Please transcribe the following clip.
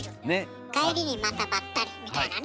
帰りにまたバッタリ！みたいなね。